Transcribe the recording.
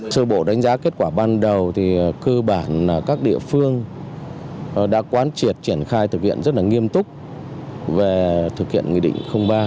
sơ bộ đánh giá kết quả ban đầu thì cơ bản các địa phương đã quán triệt triển khai thực hiện rất là nghiêm túc về thực hiện nghị định ba